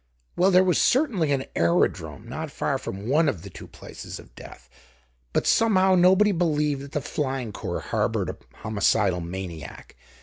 Well, there was certainly an aerodrome not far from one of the two places of death; but somehow, nobody believed that the Flying Corps harbored a homicidal maniac.